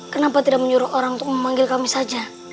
kenapa tidak menyuruh orang untuk memanggil kami saja